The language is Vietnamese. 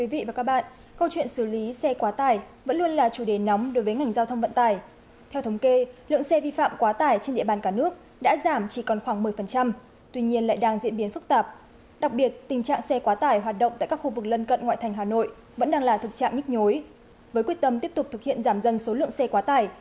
với quyết tâm tiếp tục thực hiện giảm dân số lượng xe quá tải